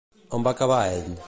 On va acabar ell?